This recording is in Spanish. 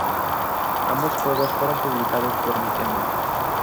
Ambos juegos fueron publicados por Nintendo.